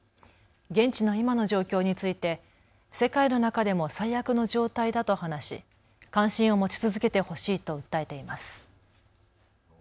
現地の今の状況について世界の中でも最悪の状態だと話し関心を持ち続けてほしいと訴えています。